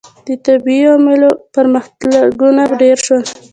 • د طبیعي علومو پرمختګونه ډېر شول.